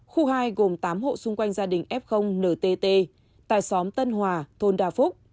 khu hai gồm tám hộ xung quanh gia đình f tại xóm tân hòa